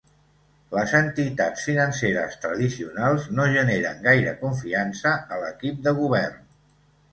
Les entitats financeres tradicionals no generen gaire confiança a l'equip de govern.